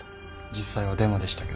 実際はデマでしたけど。